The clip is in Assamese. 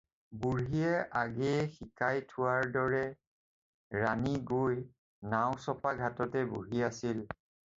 বুঢ়ীয়ে আগেয়ে শিকাই থোৱাৰ দৰে ৰাণী গৈ নাও চপা ঘাটতে বহি আছিল।